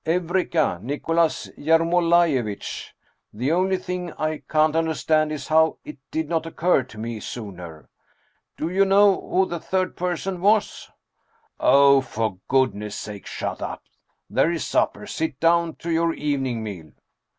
" Eureka, Nicholas Yermolalye vitch ! The only thing I can't understand is, how it did not occur to me sooner ! Do you know who the third per son was ?"" Oh, for goodness sake, shut up ! There is supper ! Sit down to your evening meal